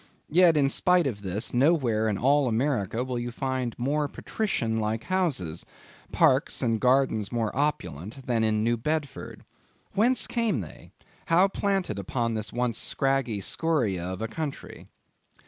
Yet, in spite of this, nowhere in all America will you find more patrician like houses; parks and gardens more opulent, than in New Bedford. Whence came they? how planted upon this once scraggy scoria of a country?